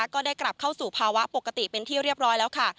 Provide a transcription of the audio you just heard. ก็ได้กลับเข้าสู่ภาวะปกติเป็นที่เรียบร้อยแล้วค่ะ